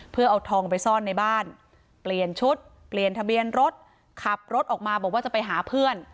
เพื่อเอาทองไปซ่อนในบ้านเปลี่ยนชุดเปลี่ยนทะเบียนรถขับรถออกมาบอกว่าจะไปหาเพื่อน